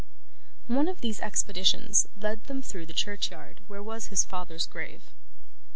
One of these expeditions led them through the churchyard where was his father's grave.